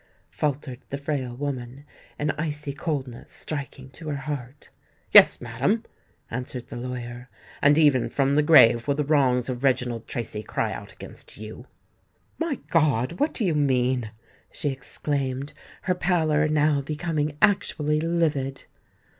faltered the frail woman, an icy coldness striking to her heart. "Yes, madam," answered the lawyer; "and even from the grave will the wrongs of Reginald Tracy cry out against you." "My God! what do you mean?" she exclaimed, her pallor now becoming actually livid.